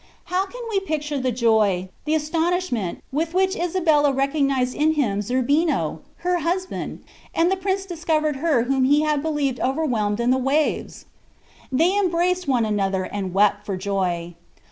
How can we picture the joy, the astonishment, with which Isabella recognized in him Zerbino, her husband, and the prince discovered her whom he had believed overwhelmed in the waves! They embraced one another, and wept for joy.